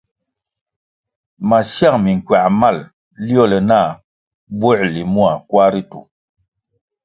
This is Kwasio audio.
Masiang minkuãh mal liole nah buęrli ma kwar ritu.